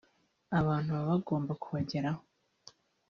abantu baba bagomba kubageraho